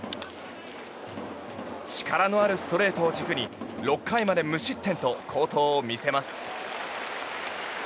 力のあるストレートを軸に６回まで無失点と好投を見せます。